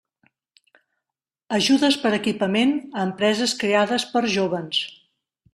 Ajudes per a equipament a empreses creades per jóvens.